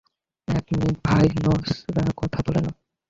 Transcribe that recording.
এক মিনিট, ডাইনোসররা কথা বলে না।